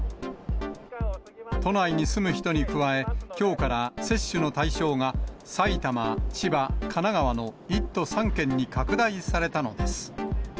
都内に住む人に加え、きょうから接種の対象が、埼玉、千葉、神奈川の１都３県に拡大されたのです。